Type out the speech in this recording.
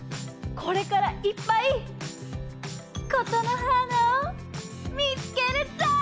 これからいっぱい「ことのはーな」をみつけるぞ！